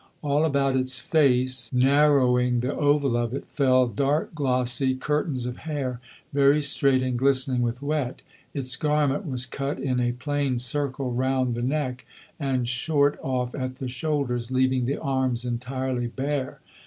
All about its face, narrowing the oval of it, fell dark glossy curtains of hair, very straight and glistening with wet. Its garment was cut in a plain circle round the neck, and short off at the shoulders, leaving the arms entirely bare.